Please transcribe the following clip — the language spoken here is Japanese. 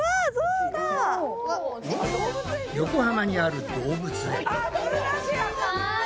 横浜にある動物園。